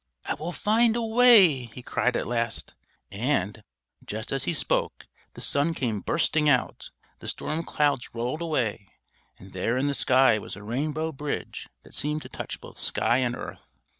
"I will find a way!" he cried at last; and, just as he spoke, the sun came bursting out, the storm clouds rolled away, and there in the sky was a rainbow bridge that seemed to touch both sky and earth.